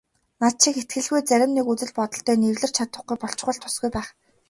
Над шиг итгэлгүй зарим нэг үзэл бодолтой нь эвлэрч чадахгүй болчихвол тусгүй байх.